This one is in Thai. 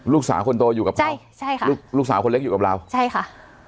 ลูกสาวคนโตอยู่กับใครใช่ใช่ค่ะลูกลูกสาวคนเล็กอยู่กับเราใช่ค่ะ